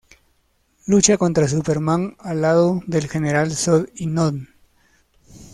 Lucha contra Superman al lado del General Zod y Non.